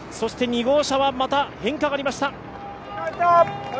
２号車は変化がありました。